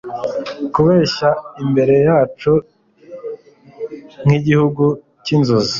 Kubeshya imbere yacu nkigihugu cyinzozi